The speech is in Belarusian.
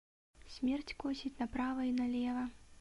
Смерць косіць направа і налева.